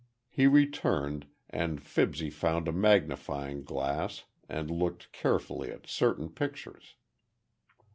He returned, and Fibsy found a magnifying glass and looked carefully at certain pictures.